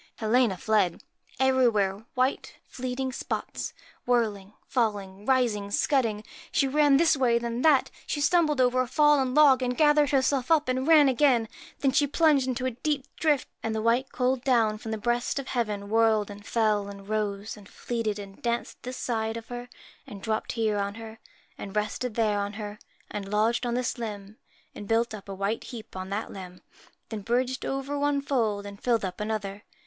Helena fled. Everywhere white fleeting spots whirling, falling, rising, scudding! She ran this way, then that; she stumbled over a fallen log, she gathered her self up and ran again ; then she plunged into a deep drift ; and the white cold down from the breast of heaven whirled and fell, and rose, and fleeted, and danced this side of her, and dropped here on her, and rested there on her, and lodged on this limb, and built up a white heap on that limb, then bridged over one fold and filled up another.